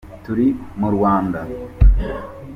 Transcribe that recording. Turi mu Rwanda.